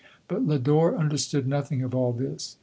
But Lodore understood nothing of all this.